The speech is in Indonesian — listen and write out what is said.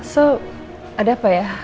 so ada apa ya